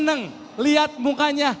senang lihat mukanya